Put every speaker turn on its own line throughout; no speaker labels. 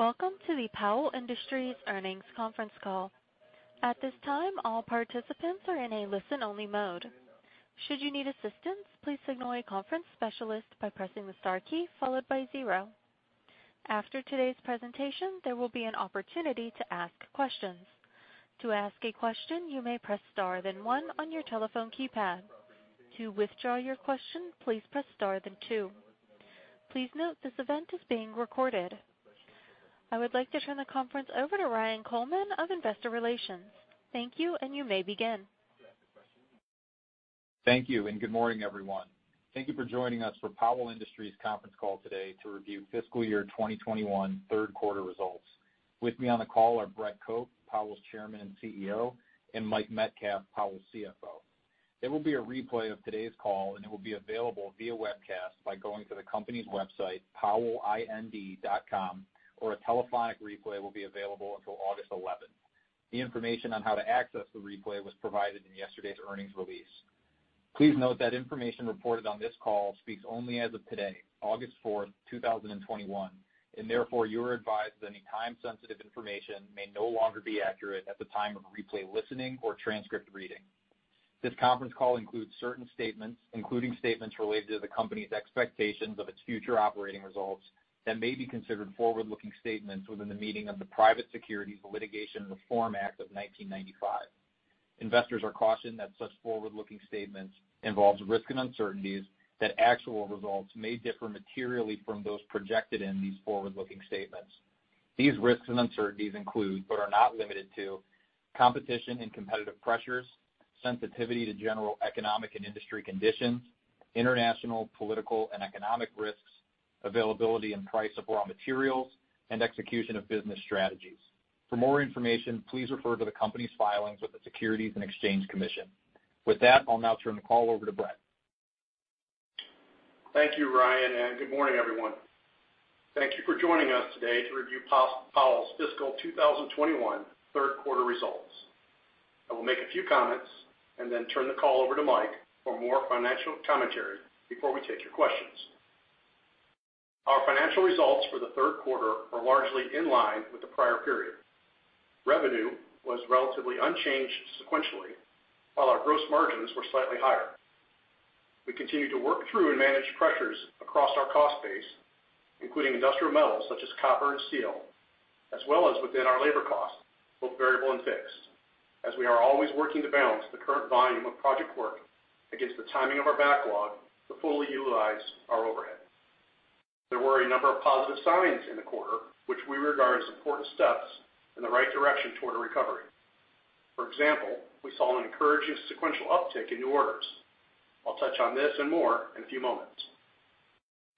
Welcome to the Powell Industries Earnings Conference Call. At this time, all participants are in a listen-only mode. Should you need assistance, please signal a conference specialist by pressing the star key followed by zero. After today's presentation, there will be an opportunity to ask questions. To ask a question, you may press star then one on your telephone keypad. To withdraw your question, please press star then two. Please note this event is being recorded. I would like to turn the conference over to Ryan Coleman of Investor Relations. Thank you, and you may begin.
Thank you, and good morning, everyone. Thank you for joining us for Powell Industries conference call today to review fiscal year 2021 third quarter results. With me on the call are Brett Cope, Powell's Chairman and CEO, and Mike Metcalf, Powell's CFO. There will be a replay of today's call, and it will be available via webcast by going to the company's website, powellind.com, or a telephonic replay will be available until August 11th. The information on how to access the replay was provided in yesterday's earnings release. Please note that information reported on this call speaks only as of today, August 4th, 2021, and therefore you are advised that any time-sensitive information may no longer be accurate at the time of replay listening or transcript reading. This conference call includes certain statements, including statements related to the company's expectations of its future operating results that may be considered forward-looking statements within the meaning of the Private Securities Litigation Reform Act of 1995. Investors are cautioned that such forward-looking statements involve risks and uncertainties that actual results may differ materially from those projected in these forward-looking statements. These risks and uncertainties include, but are not limited to, competition and competitive pressures, sensitivity to general economic and industry conditions, international, political, and economic risks, availability and price of raw materials, and execution of business strategies. For more information, please refer to the company's filings with the Securities and Exchange Commission. With that, I'll now turn the call over to Brett.
Thank you, Ryan, and good morning, everyone. Thank you for joining us today to review Powell's fiscal 2021 third quarter results. I will make a few comments and then turn the call over to Mike for more financial commentary before we take your questions. Our financial results for the third quarter are largely in line with the prior period. Revenue was relatively unchanged sequentially, while our gross margins were slightly higher. We continue to work through and manage pressures across our cost base, including industrial metals such as copper and steel, as well as within our labor costs, both variable and fixed, as we are always working to balance the current volume of project work against the timing of our backlog to fully utilize our overhead. There were a number of positive signs in the quarter, which we regard as important steps in the right direction toward a recovery. For example, we saw an encouraging sequential uptick in new orders. I'll touch on this and more in a few moments.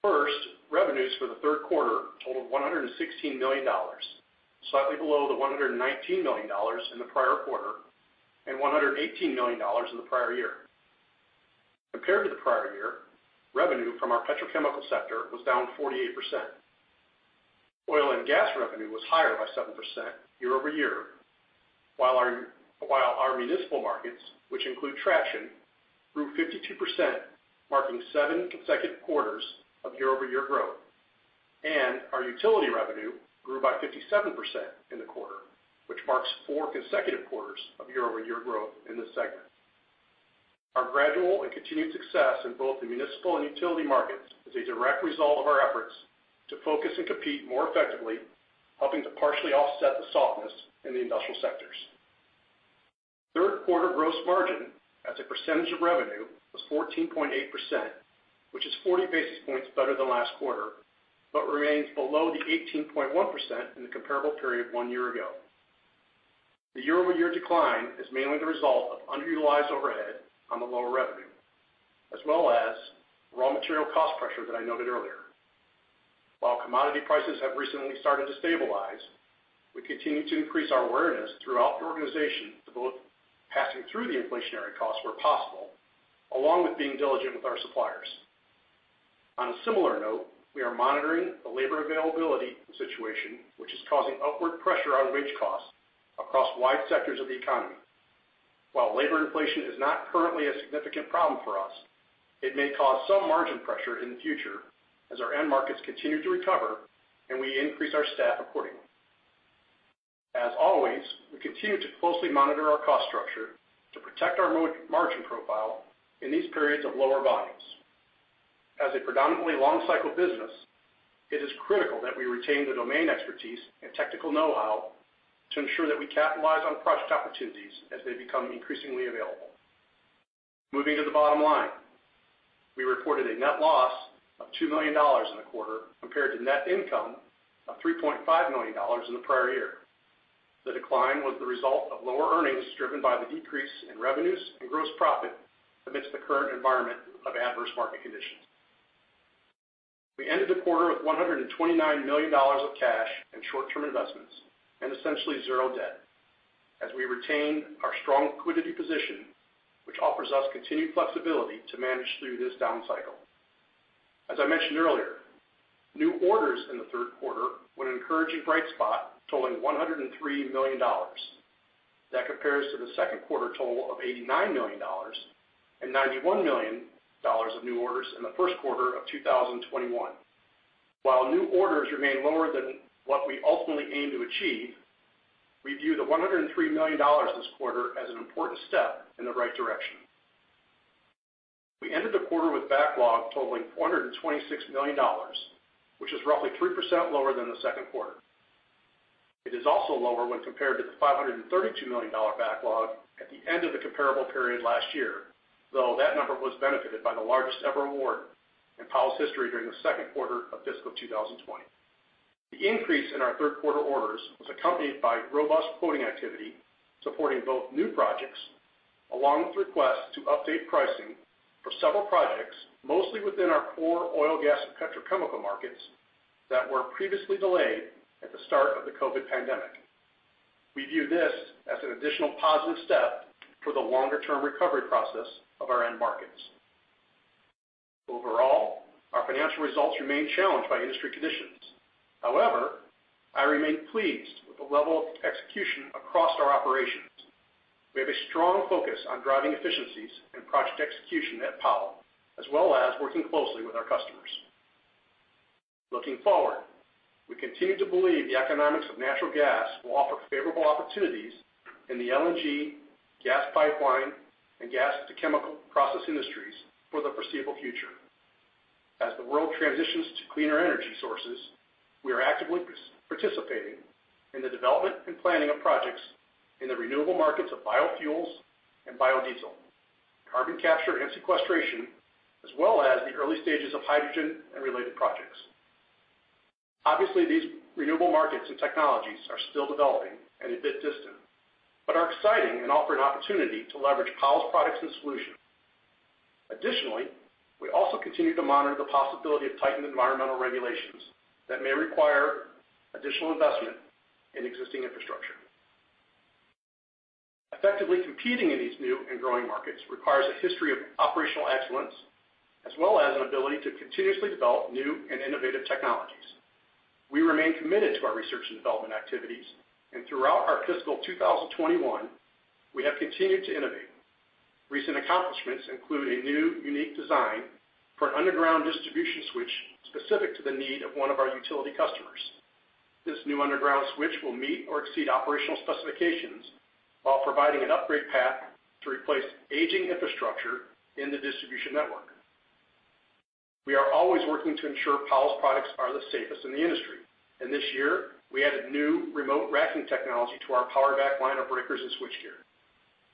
First, revenues for the third quarter totaled $116 million, slightly below the $119 million in the prior quarter and $118 million in the prior year. Compared to the prior year, revenue from our petrochemical sector was down 48%. Oil and gas revenue was higher by 7% year over year, while our municipal markets, which include traction, grew 52%, marking seven consecutive quarters of year-over-year growth, and our utility revenue grew by 57% in the quarter, which marks four consecutive quarters of year-over-year growth in this segment. Our gradual and continued success in both the municipal and utility markets is a direct result of our efforts to focus and compete more effectively, helping to partially offset the softness in the industrial sectors. Third quarter gross margin as a percentage of revenue was 14.8%, which is 40 basis points better than last quarter, but remains below the 18.1% in the comparable period one year ago. The year-over-year decline is mainly the result of underutilized overhead on the lower revenue, as well as raw material cost pressure that I noted earlier. While commodity prices have recently started to stabilize, we continue to increase our awareness throughout the organization to both passing through the inflationary costs where possible, along with being diligent with our suppliers. On a similar note, we are monitoring the labor availability situation, which is causing upward pressure on wage costs across wide sectors of the economy. While labor inflation is not currently a significant problem for us, it may cause some margin pressure in the future as our end markets continue to recover and we increase our staff accordingly. As always, we continue to closely monitor our cost structure to protect our margin profile in these periods of lower volumes. As a predominantly long-cycle business, it is critical that we retain the domain expertise and technical know-how to ensure that we capitalize on project opportunities as they become increasingly available. Moving to the bottom line, we reported a net loss of $2 million in the quarter compared to net income of $3.5 million in the prior year. The decline was the result of lower earnings driven by the decrease in revenues and gross profit amidst the current environment of adverse market conditions. We ended the quarter with $129 million of cash and short-term investments and essentially zero debt, as we retained our strong liquidity position, which offers us continued flexibility to manage through this down cycle. As I mentioned earlier, new orders in the third quarter were an encouraging bright spot totaling $103 million. That compares to the second quarter total of $89 million and $91 million of new orders in the first quarter of 2021. While new orders remain lower than what we ultimately aim to achieve, we view the $103 million this quarter as an important step in the right direction. We ended the quarter with backlog totaling $426 million, which is roughly 3% lower than the second quarter. It is also lower when compared to the $532 million backlog at the end of the comparable period last year, though that number was benefited by the largest ever award in Powell's history during the second quarter of fiscal 2020. The increase in our third quarter orders was accompanied by robust quoting activity supporting both new projects along with requests to update pricing for several projects, mostly within our core oil, gas, and petrochemical markets that were previously delayed at the start of the COVID pandemic. We view this as an additional positive step for the longer-term recovery process of our end markets. Overall, our financial results remain challenged by industry conditions. However, I remain pleased with the level of execution across our operations. We have a strong focus on driving efficiencies and project execution at Powell, as well as working closely with our customers. Looking forward, we continue to believe the economics of natural gas will offer favorable opportunities in the LNG, gas pipeline, and gas-to-chemical process industries for the foreseeable future. As the world transitions to cleaner energy sources, we are actively participating in the development and planning of projects in the renewable markets of biofuels and biodiesel, carbon capture and sequestration, as well as the early stages of hydrogen and related projects. Obviously, these renewable markets and technologies are still developing and a bit distant, but are exciting and offer an opportunity to leverage Powell's products and solutions. Additionally, we also continue to monitor the possibility of tightened environmental regulations that may require additional investment in existing infrastructure. Effectively competing in these new and growing markets requires a history of operational excellence, as well as an ability to continuously develop new and innovative technologies. We remain committed to our research and development activities, and throughout our fiscal 2021, we have continued to innovate. Recent accomplishments include a new unique design for an underground distribution switch specific to the need of one of our utility customers. This new underground switch will meet or exceed operational specifications while providing an upgrade path to replace aging infrastructure in the distribution network. We are always working to ensure Powell's products are the safest in the industry, and this year, we added new remote racking technology to our Power/Vac line of breakers and switchgear.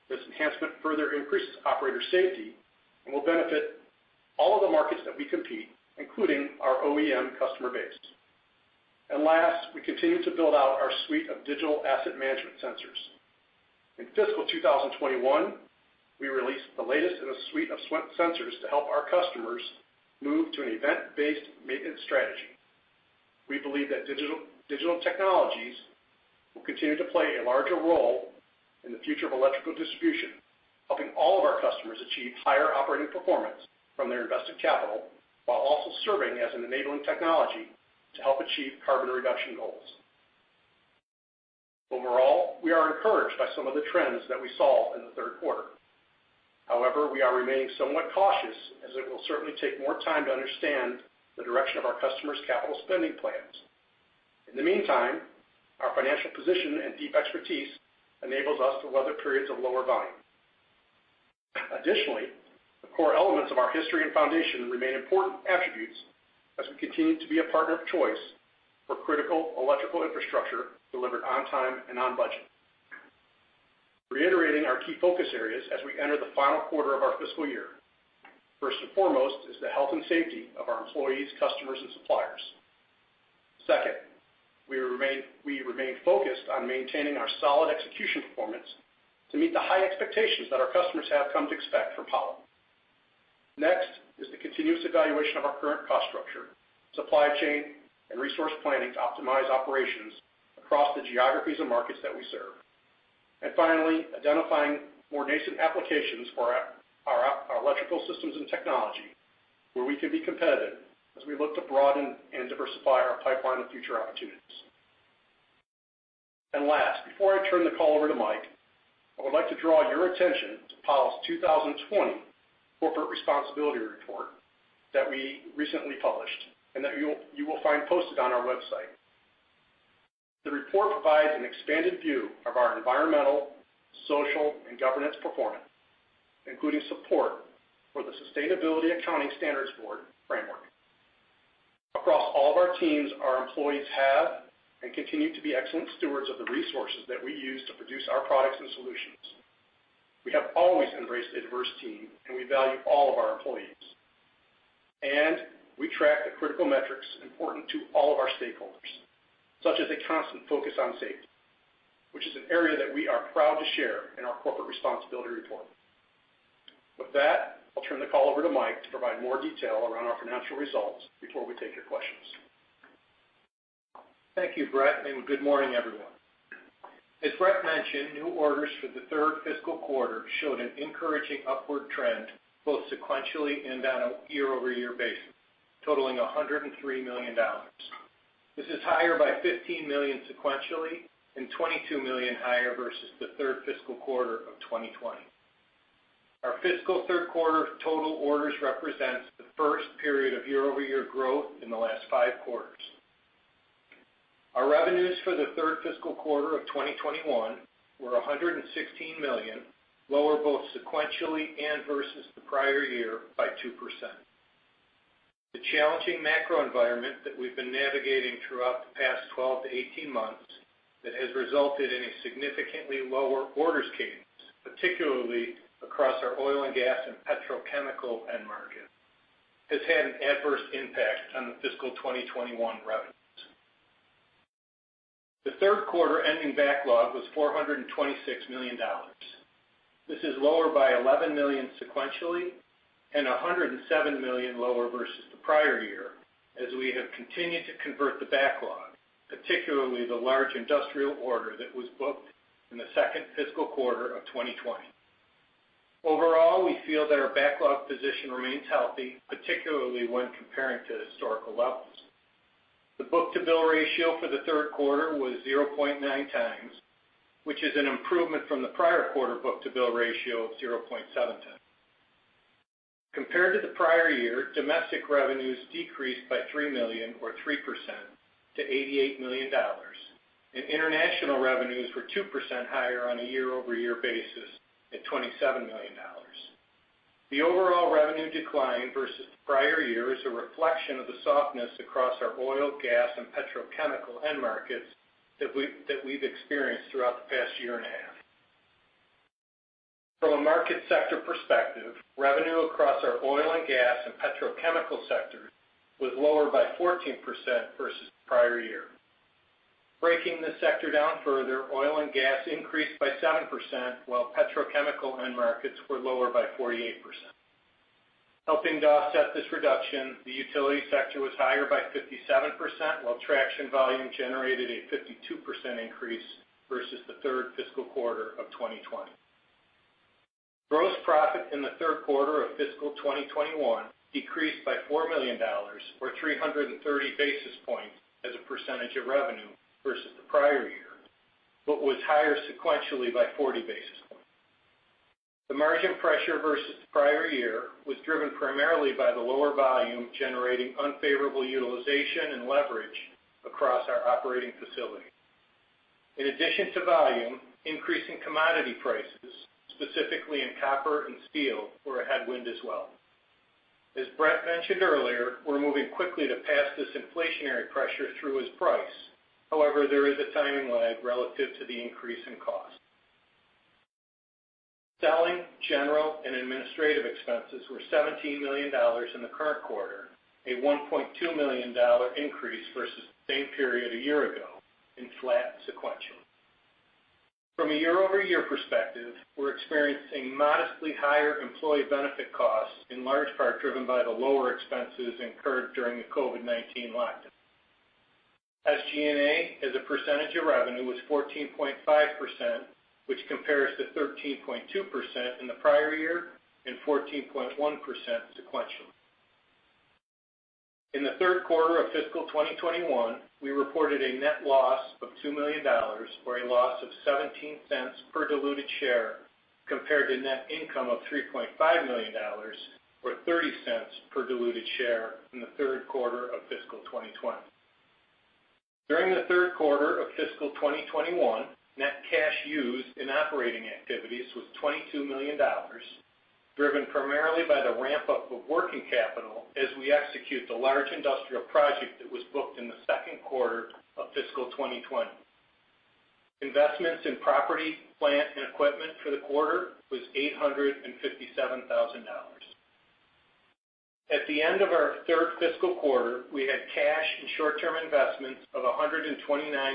This enhancement further increases operator safety and will benefit all of the markets that we compete, including our OEM customer base, and last, we continue to build out our suite of digital asset management sensors. In fiscal 2021, we released the latest in a suite of sensors to help our customers move to an event-based maintenance strategy. We believe that digital technologies will continue to play a larger role in the future of electrical distribution, helping all of our customers achieve higher operating performance from their invested capital while also serving as an enabling technology to help achieve carbon reduction goals. Overall, we are encouraged by some of the trends that we saw in the third quarter. However, we are remaining somewhat cautious as it will certainly take more time to understand the direction of our customers' capital spending plans. In the meantime, our financial position and deep expertise enables us to weather periods of lower volume. Additionally, the core elements of our history and foundation remain important attributes as we continue to be a partner of choice for critical electrical infrastructure delivered on time and on budget. Reiterating our key focus areas as we enter the final quarter of our fiscal year, first and foremost is the health and safety of our employees, customers, and suppliers. Second, we remain focused on maintaining our solid execution performance to meet the high expectations that our customers have come to expect from Powell. Next is the continuous evaluation of our current cost structure, supply chain, and resource planning to optimize operations across the geographies and markets that we serve. And finally, identifying more nascent applications for our electrical systems and technology where we can be competitive as we look to broaden and diversify our pipeline of future opportunities. And last, before I turn the call over to Mike, I would like to draw your attention to Powell's 2020 corporate responsibility report that we recently published and that you will find posted on our website. The report provides an expanded view of our environmental, social, and governance performance, including support for the Sustainability Accounting Standards Board framework. Across all of our teams, our employees have and continue to be excellent stewards of the resources that we use to produce our products and solutions. We have always embraced a diverse team, and we value all of our employees. And we track the critical metrics important to all of our stakeholders, such as a constant focus on safety, which is an area that we are proud to share in our corporate responsibility report. With that, I'll turn the call over to Mike to provide more detail around our financial results before we take your questions.
Thank you, Brett, and good morning, everyone. As Brett mentioned, new orders for the third fiscal quarter showed an encouraging upward trend both sequentially and on a year-over-year basis, totaling $103 million. This is higher by $15 million sequentially and $22 million higher versus the third fiscal quarter of 2020. Our fiscal third quarter total orders represent the first period of year-over-year growth in the last five quarters. Our revenues for the third fiscal quarter of 2021 were $116 million, lower both sequentially and versus the prior year by 2%. The challenging macro environment that we've been navigating throughout the past 12-18 months that has resulted in a significantly lower orders cadence, particularly across our oil and gas and petrochemical end market, has had an adverse impact on the fiscal 2021 revenues. The third quarter ending backlog was $426 million. This is lower by $11 million sequentially and $107 million lower versus the prior year as we have continued to convert the backlog, particularly the large industrial order that was booked in the second fiscal quarter of 2020. Overall, we feel that our backlog position remains healthy, particularly when comparing to historical levels. The book-to-bill ratio for the third quarter was 0.9 times, which is an improvement from the prior quarter book-to-bill ratio of 0.7 times. Compared to the prior year, domestic revenues decreased by $3 million, or 3%, to $88 million, and international revenues were 2% higher on a year-over-year basis at $27 million. The overall revenue decline versus the prior year is a reflection of the softness across our oil, gas, and petrochemical end markets that we've experienced throughout the past year and a half. From a market sector perspective, revenue across our oil and gas and petrochemical sectors was lower by 14% versus the prior year. Breaking the sector down further, oil and gas increased by 7%, while petrochemical end markets were lower by 48%. Helping to offset this reduction, the utility sector was higher by 57%, while traction volume generated a 52% increase versus the third fiscal quarter of 2020. Gross profit in the third quarter of fiscal 2021 decreased by $4 million, or 330 basis points as a percentage of revenue versus the prior year, but was higher sequentially by 40 basis points. The margin pressure versus the prior year was driven primarily by the lower volume generating unfavorable utilization and leverage across our operating facility. In addition to volume, increasing commodity prices, specifically in copper and steel, were a headwind as well. As Brett mentioned earlier, we're moving quickly to pass this inflationary pressure through as price. However, there is a timing lag relative to the increase in cost. Selling, general, and administrative expenses were $17 million in the current quarter, a $1.2 million increase versus the same period a year ago and flat sequentially. From a year-over-year perspective, we're experiencing modestly higher employee benefit costs, in large part driven by the lower expenses incurred during the COVID-19 lockdown. SG&A as a percentage of revenue was 14.5%, which compares to 13.2% in the prior year and 14.1% sequentially. In the third quarter of fiscal 2021, we reported a net loss of $2 million, or a loss of $0.17 per diluted share, compared to net income of $3.5 million, or $0.30 per diluted share in the third quarter of fiscal 2020. During the third quarter of fiscal 2021, net cash used in operating activities was $22 million, driven primarily by the ramp-up of working capital as we execute the large industrial project that was booked in the second quarter of fiscal 2020. Investments in property, plant, and equipment for the quarter was $857,000. At the end of our third fiscal quarter, we had cash and short-term investments of $129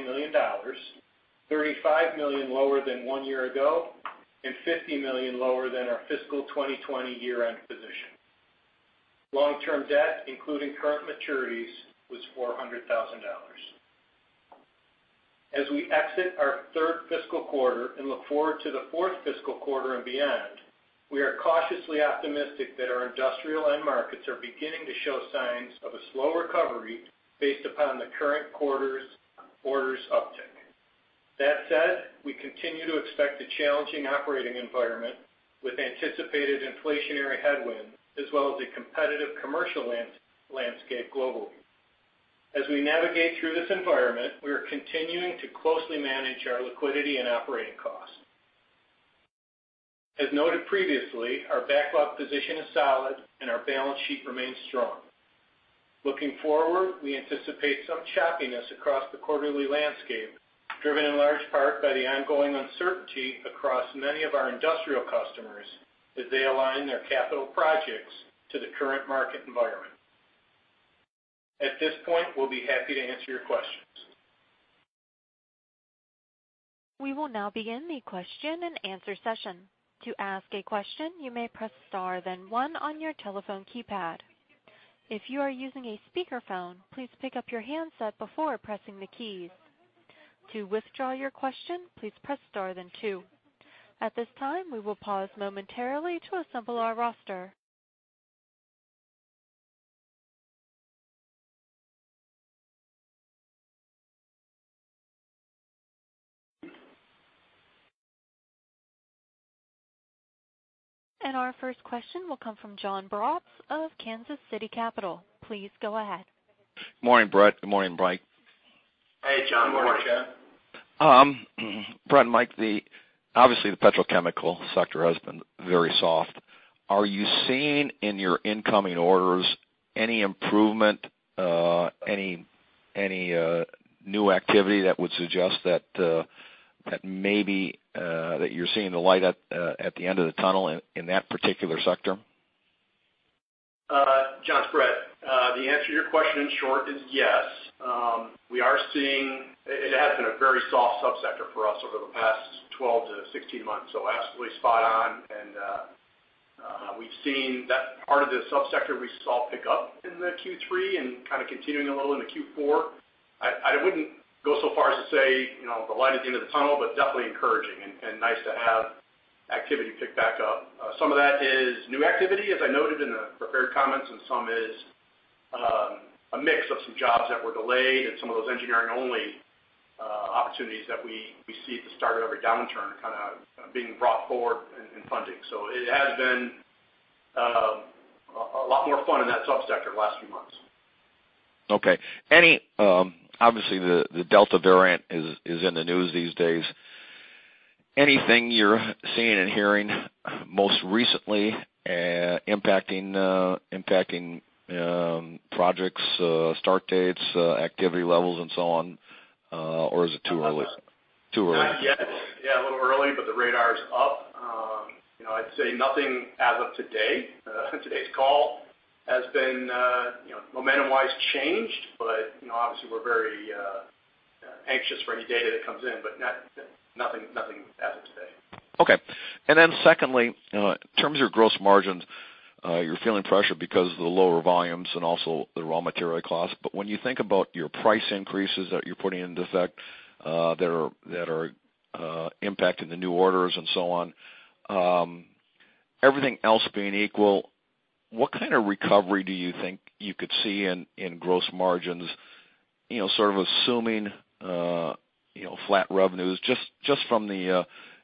million, $35 million lower than one year ago, and $50 million lower than our fiscal 2020 year-end position. Long-term debt, including current maturities, was $400,000. As we exit our third fiscal quarter and look forward to the fourth fiscal quarter and beyond, we are cautiously optimistic that our industrial end markets are beginning to show signs of a slow recovery based upon the current quarter's orders uptake. That said, we continue to expect a challenging operating environment with anticipated inflationary headwinds, as well as a competitive commercial landscape globally. As we navigate through this environment, we are continuing to closely manage our liquidity and operating costs. As noted previously, our backlog position is solid, and our balance sheet remains strong. Looking forward, we anticipate some choppiness across the quarterly landscape, driven in large part by the ongoing uncertainty across many of our industrial customers as they align their capital projects to the current market environment. At this point, we'll be happy to answer your questions.
We will now begin the question-and-answer session. To ask a question, you may press star then one on your telephone keypad. If you are using a speakerphone, please pick up your handset before pressing the keys. To withdraw your question, please press star then two. At this time, we will pause momentarily to assemble our roster, and our first question will come from John Braatz of Kansas City Capital. Please go ahead.
Good morning, Brett. Good morning, Mike.
Hey, John. Good morning, Ken.
Brett and Mike, obviously the petrochemical sector has been very soft. Are you seeing in your incoming orders any improvement, any new activity that would suggest that maybe that you're seeing the light at the end of the tunnel in that particular sector?
John, Brett, the answer to your question in short is yes. We are seeing it has been a very soft subsector for us over the past 12-16 months, so absolutely spot on, and we've seen that part of the subsector we saw pick up in the Q3 and kind of continuing a little in the Q4. I wouldn't go so far as to say the light at the end of the tunnel, but definitely encouraging and nice to have activity pick back up. Some of that is new activity, as I noted in the prepared comments, and some is a mix of some jobs that were delayed and some of those engineering-only opportunities that we see at the start of every downturn kind of being brought forward in funding, so it has been a lot more fun in that subsector the last few months.
Okay. Obviously, the Delta variant is in the news these days. Anything you're seeing and hearing most recently impacting projects, start dates, activity levels, and so on, or is it too early?
Yes. Yeah, a little early, but the radar is up. I'd say nothing as of today, today's call, has been momentum-wise changed, but obviously we're very anxious for any data that comes in, but nothing as of today.
Okay. And then secondly, in terms of your gross margins, you're feeling pressure because of the lower volumes and also the raw material costs. But when you think about your price increases that you're putting into effect that are impacting the new orders and so on, everything else being equal, what kind of recovery do you think you could see in gross margins, sort of assuming flat revenues just from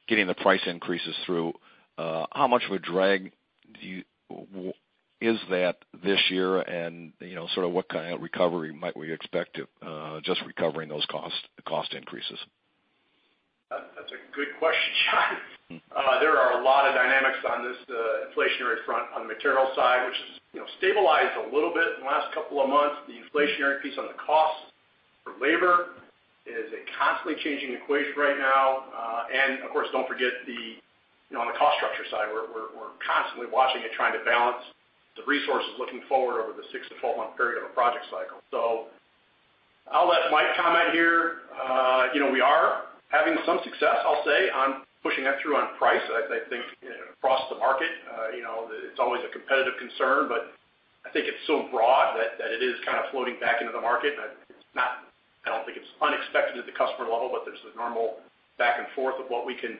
getting the price increases through? How much of a drag is that this year, and sort of what kind of recovery might we expect just recovering those cost increases?
That's a good question, John. There are a lot of dynamics on this inflationary front on the material side, which has stabilized a little bit in the last couple of months. The inflationary piece on the cost for labor is a constantly changing equation right now. And of course, don't forget on the cost structure side, we're constantly watching and trying to balance the resources looking forward over the 6-12 month period of a project cycle. So I'll let Mike comment here. We are having some success, I'll say, on pushing that through on price. I think across the market, it's always a competitive concern, but I think it's so broad that it is kind of floating back into the market. I don't think it's unexpected at the customer level, but there's a normal back and forth of what we can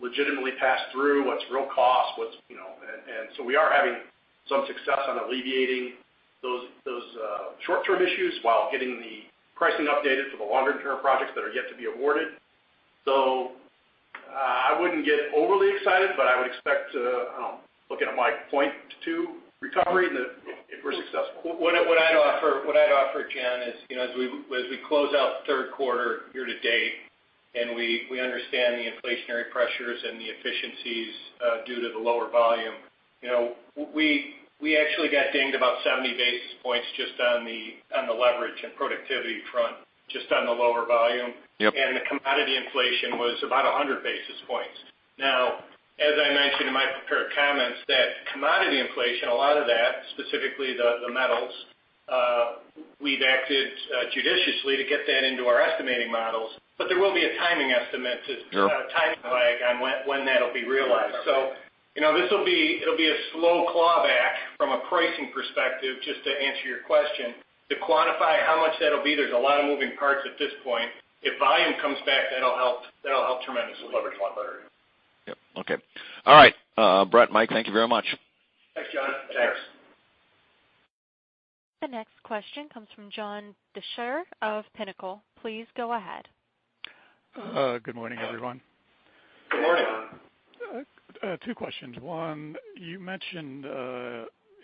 legitimately pass through, what's real cost. And so we are having some success on alleviating those short-term issues while getting the pricing updated for the longer-term projects that are yet to be awarded. So I wouldn't get overly excited, but I would expect, looking at Mike's point, a recovery if we're successful. What I'd offer, John, is, as we close out the third quarter year to date, and we understand the inflationary pressures and the efficiencies due to the lower volume, we actually got dinged about 70 basis points just on the leverage and productivity front, just on the lower volume. And the commodity inflation was about 100 basis points. Now, as I mentioned in my prepared comments, that commodity inflation, a lot of that, specifically the metals, we've acted judiciously to get that into our estimating models, but there will be a timing lag on when that'll be realized. This will be a slow clawback from a pricing perspective, just to answer your question. To quantify how much that'll be, there's a lot of moving parts at this point. If volume comes back, that'll help tremendously. It'll leverage a lot better.
Yep. Okay. All right. Brett, Mike, thank you very much.
Thanks, John. Thanks.
The next question comes from John Deysher of Pinnacle. Please go ahead.
Good morning, everyone.
Good morning.
Two questions. One, you mentioned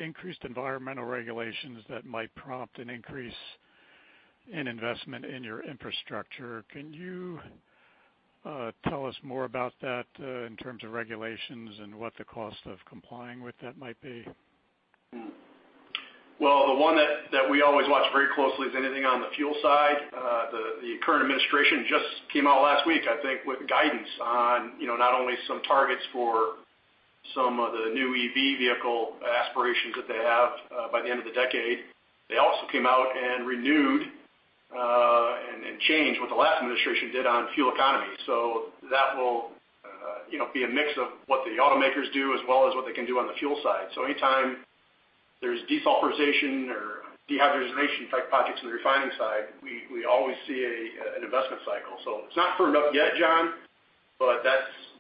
increased environmental regulations that might prompt an increase in investment in your infrastructure. Can you tell us more about that in terms of regulations and what the cost of complying with that might be?
The one that we always watch very closely is anything on the fuel side. The current administration just came out last week, I think, with guidance on not only some targets for some of the new EV vehicle aspirations that they have by the end of the decade. They also came out and renewed and changed what the last administration did on fuel economy. That will be a mix of what the automakers do as well as what they can do on the fuel side. Anytime there's desulfurization or dehydrogenation-type projects on the refining side, we always see an investment cycle. It's not firmed up yet, John, but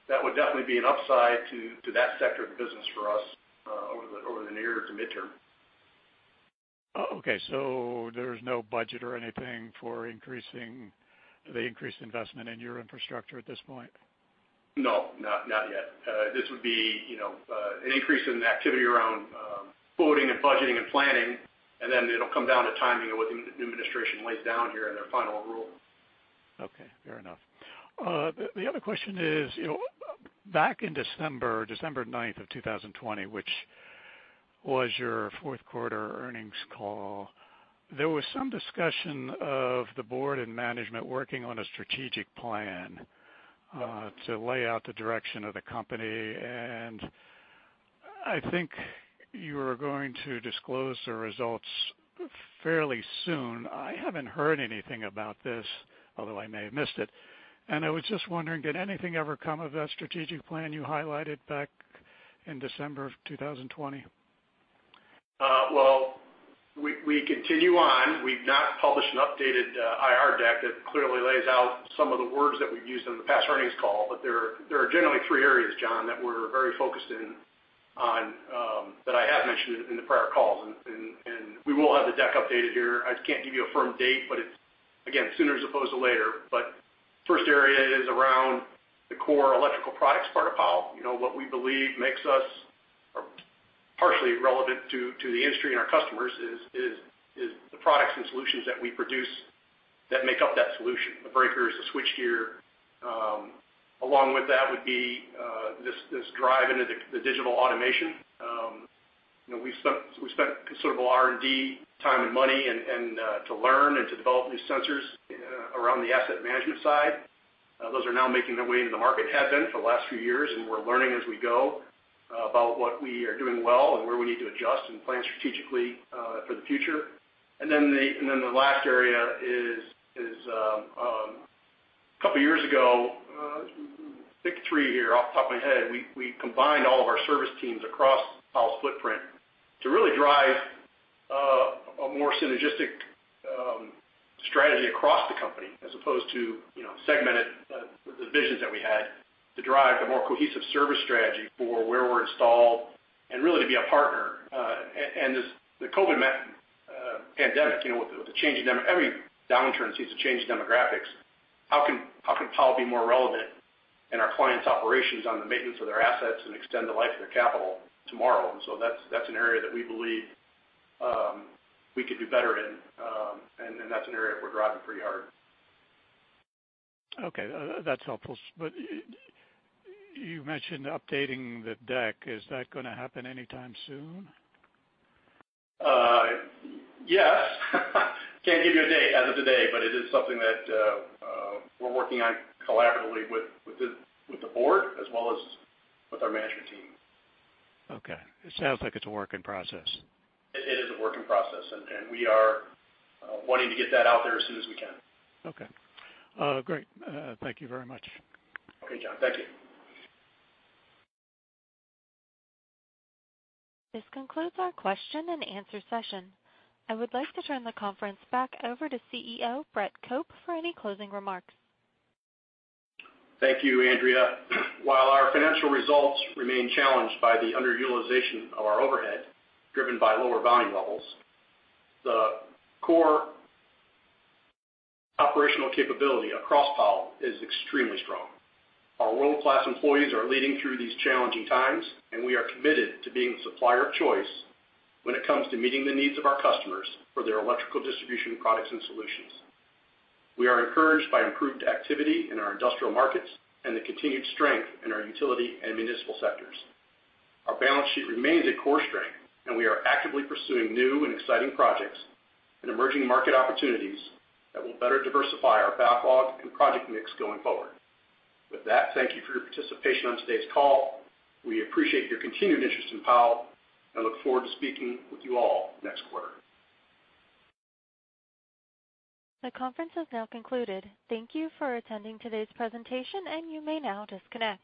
that would definitely be an upside to that sector of the business for us over the near to midterm.
Okay. So there's no budget or anything for the increased investment in your infrastructure at this point?
No, not yet. This would be an increase in activity around voting and budgeting and planning, and then it'll come down to timing of what the new administration lays down here in their final rule.
Okay. Fair enough. The other question is back in December, December 9th of 2020, which was your fourth quarter earnings call, there was some discussion of the board and management working on a strategic plan to lay out the direction of the company. And I think you were going to disclose the results fairly soon. I haven't heard anything about this, although I may have missed it. And I was just wondering, did anything ever come of that strategic plan you highlighted back in December of 2020?
We continue on. We've not published an updated IR deck that clearly lays out some of the words that we've used in the past earnings call, but there are generally three areas, John, that we're very focused in on that I have mentioned in the prior calls, and we will have the deck updated here. I can't give you a firm date, but again, sooner as opposed to later, but the first area is around the core electrical products part of Powell. What we believe makes us partially relevant to the industry and our customers is the products and solutions that we produce that make up that solution, the breakers, the switchgear. Along with that would be this drive into the digital automation. We've spent considerable R&D time and money to learn and to develop new sensors around the asset management side. Those are now making their way into the market, have been for the last few years, and we're learning as we go about what we are doing well and where we need to adjust and plan strategically for the future. And then the last area is a couple of years ago, pick three here off the top of my head, we combined all of our service teams across Powell's footprint to really drive a more synergistic strategy across the company as opposed to segmented divisions that we had to drive the more cohesive service strategy for where we're installed and really to be a partner. And the COVID pandemic, with the changing, every downturn seems to change demographics. How can Powell be more relevant in our clients' operations on the maintenance of their assets and extend the life of their capital tomorrow? And so that's an area that we believe we could do better in, and that's an area we're driving pretty hard.
Okay. That's helpful. But you mentioned updating the deck. Is that going to happen anytime soon?
Yes. Can't give you a date as of today, but it is something that we're working on collaboratively with the board as well as with our management team.
Okay. It sounds like it's a work in process.
It is a work in progress, and we are wanting to get that out there as soon as we can.
Okay. Great. Thank you very much.
Okay, John. Thank you.
This concludes our question-and-answer session. I would like to turn the conference back over to CEO Brett Cope for any closing remarks.
Thank you, Andrea. While our financial results remain challenged by the underutilization of our overhead driven by lower value levels, the core operational capability across Powell is extremely strong. Our world-class employees are leading through these challenging times, and we are committed to being the supplier of choice when it comes to meeting the needs of our customers for their electrical distribution products and solutions. We are encouraged by improved activity in our industrial markets and the continued strength in our utility and municipal sectors. Our balance sheet remains a core strength, and we are actively pursuing new and exciting projects and emerging market opportunities that will better diversify our backlog and project mix going forward. With that, thank you for your participation on today's call. We appreciate your continued interest in Powell and look forward to speaking with you all next quarter.
The conference has now concluded. Thank you for attending today's presentation, and you may now disconnect.